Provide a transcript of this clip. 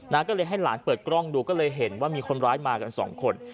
ก็เลยให้หลานเปิดกล้องดูก็เลยเห็นว่ามีคนร้ายมากันสองคน